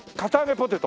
ポテト。